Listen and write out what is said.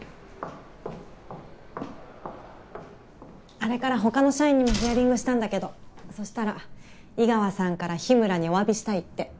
あれから他の社員にもヒアリングしたんだけどそしたら井川さんから日村にお詫びしたいって。